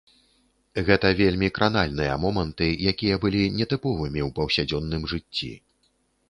Гэта вельмі кранальныя моманты, якія былі нетыповымі ў паўсядзённым жыцці.